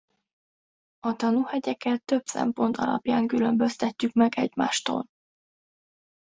A tanúhegyeket több szempont alapján különböztetjük meg egymástól.